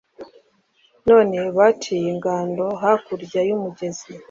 none baciye ingando hakurya y'umugezi